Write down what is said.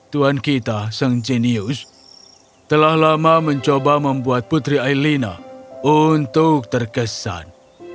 tuan kita sang jenius telah lama mencoba membuat putri ailina untuk terkesan